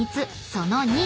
その２］